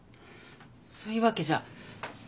そういうわけじゃ。